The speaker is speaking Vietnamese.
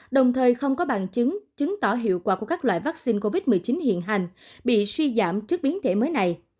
đồng thời không có bằng chứng chứng tỏ hiệu quả của các loại vaccine covid một mươi chín hiện hành bị suy giảm trước biến thể mới này